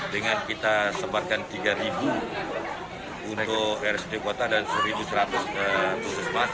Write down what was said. dengan kita sebarkan tiga untuk rsd kota dan satu seratus khusus mas